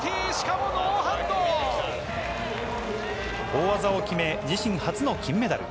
大技を決め、自身初の金メダル。